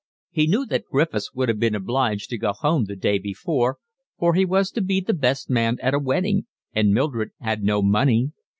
He knew that Griffiths would have been obliged to go home the day before, for he was to be best man at a wedding, and Mildred had no money.